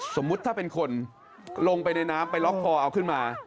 สมมุติถ้าเป็นคนลงไปในน้ำไปล็อกคอเอาขึ้นมา